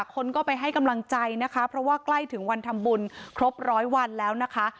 คนก็ไปให้กำลังใจนะคะเพราะว่าใกล้ถึงวันทำบุญครบร้อยวันแล้วนะคะ